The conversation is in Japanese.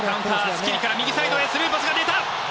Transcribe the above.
スキリから右へスルーパスが出た。